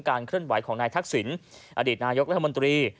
เคลื่อนไหวของนายทักษิณอดีตนายกรัฐมนตรี